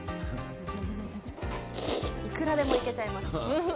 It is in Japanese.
いくらでもいけちゃいますね。